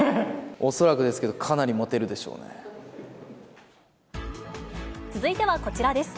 恐らくですけど、かなりモテ続いてはこちらです。